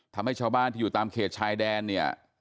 ทำให้ชาวบ้านที่อยู่ตามเขตชายแดนเนี่ย